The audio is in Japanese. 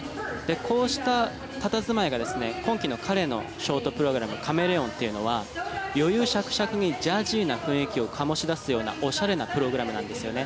こうした佇まいが今季の彼のショートプログラム「カメレオン」というのは余裕綽々にジャジーな雰囲気を醸し出すようなおしゃれなプログラムなんですよね。